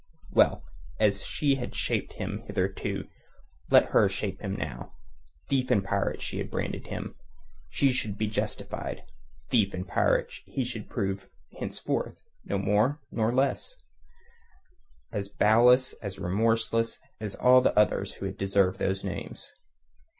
Well, as she had shaped him hitherto, so let her shape him now. Thief and pirate she had branded him. She should be justified. Thief and pirate should he prove henceforth; no more nor less; as bowelless, as remorseless, as all those others who had deserved those names.